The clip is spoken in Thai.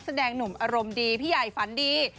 แสดงหนุ่มอารมณ์ดีพี่ใหญ่ฝันดี